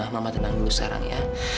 mama tenang dulu sekarang ya